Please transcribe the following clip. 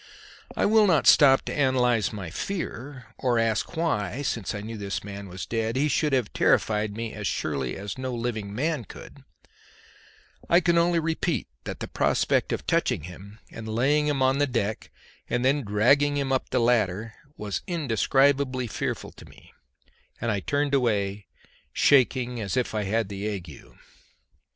I will not stop to analyse my fear or ask why, since I knew that this man was dead, he should have terrified me as surely no living man could; I can only repeat that the prospect of touching him, and laying him upon the deck and then dragging him up the ladder, was indescribably fearful to me, and I turned away, shaking as if I had the ague.